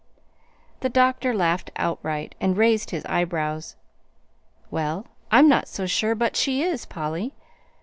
The doctor laughed outright, and raised his eyebrows. "Well, I'm not so sure but she is, Polly.